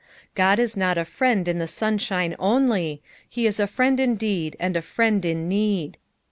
Ood ie uot a friend in tbe sunshine only, he ia a friend iadeed and a friend in need.